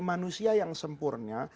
manusia yang sempurnya